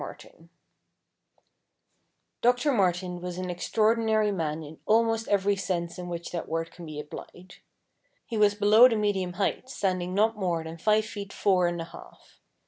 MARTIN Doctor Martin was an extraordinary man in almost every sense in which that word can be applied. He was below the medium height, standing not more than five feet four and a half.